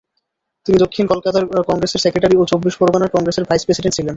তিনি দক্ষিণ কলকাতার কংগ্রেসের সেক্রেটারি ও চব্বিশ-পরগনার কংগ্রেসের ভাইস-প্রেসিডেন্ট ছিলেন।